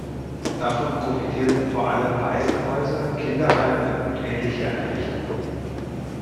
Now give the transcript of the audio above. Davon profitierten vor allem Waisenhäuser, Kinderheime und ähnliche Einrichtungen.